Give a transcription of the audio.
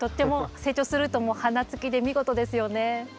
成長するともう花つきで見事ですよね。